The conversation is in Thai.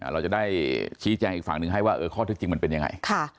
เราจะได้ชี้แจงอีกฝั่งหนึ่งให้ว่าข้อเท็จจริงมันเป็นยังไง